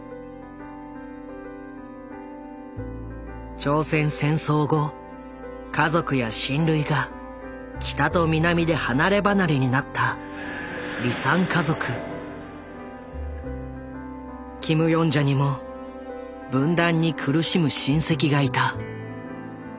朝鮮戦争後家族や親類が北と南で離れ離れになったキム・ヨンジャにも分断に苦しむ親戚がいた。